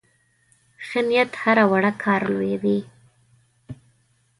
ښه نیت هره وړه کار لویوي.